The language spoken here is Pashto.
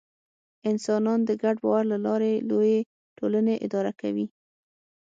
انسانان د ګډ باور له لارې لویې ټولنې اداره کوي.